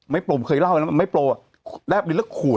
ไม้โปรผมเคยเล่าไว้นะไม้โปรอ่ะแรบดีแล้วขูด